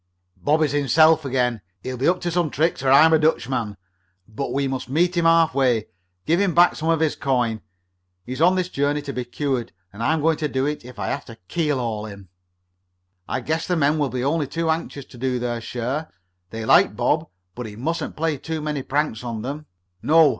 "Bob is himself again. He'll be up to some tricks or I'm a Dutchman. But we must meet him half way. Give him back some of his own coin. He's on this voyage to be cured, and I'm going to do it If I have to keelhaul him." "I guess the men will be only too anxious to do their share. They like Bob, but he mustn't play too many pranks on them." "No.